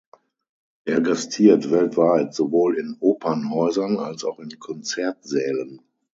Er gastiert weltweit sowohl in Opernhäusern als auch in Konzertsälen.